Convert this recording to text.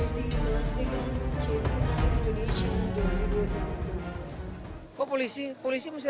kepala daerah kepolisian kepolitik praktis